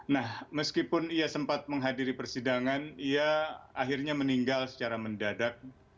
nah meskipun ia sempat menghadiri persidangan ia akhirnya meninggal secara mendadak